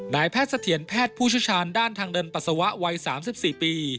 นายแพทย์เสถียรแพทย์ผู้เชี่ยวชาญด้านทางเดินปัสสาวะวัย๓๔ปี